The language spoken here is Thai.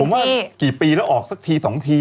ผมว่ากี่ปีแล้วออกสักที๒ที